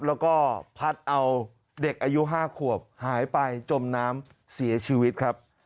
แล้วก็พัดเอาเด็กอายุ๕ขวบหายไปจมน้ำเสียชีวิตครับ